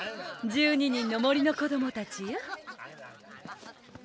１２人の森の子どもたちよ。